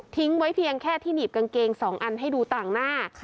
ไว้เพียงแค่ที่หนีบกางเกง๒อันให้ดูต่างหน้า